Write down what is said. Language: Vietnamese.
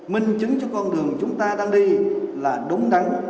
minh chứng cho con đường chúng ta đang đi là đúng đắn